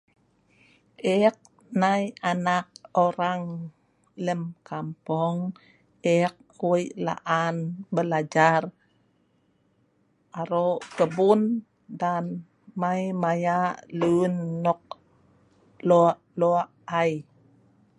ek nai anak orang lem kampung ek weik la'an belajar arok kebun dan mei mayak lun nok lok lok ai